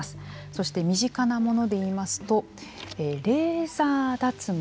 そして、身近なもので言いますとレーザー脱毛。